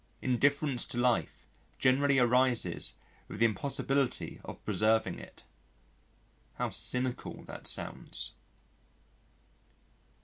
Indifference to life generally arises with the impossibility of preserving it" how cynical that sounds.